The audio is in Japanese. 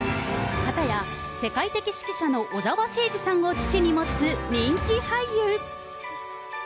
片や世界的指揮者の小澤征爾さんを父に持つ人気俳優。